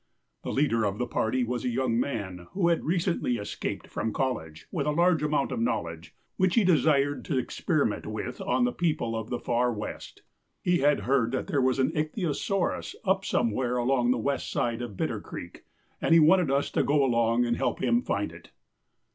The leader of the party was a young man who had recently escaped from college with a large amount of knowledge which he desired to experiment with on the people of the far west. He had heard that there was an ichthyosaurus up somewhere along the west side of Bitter creek, and he wanted us to go along and help him to find it.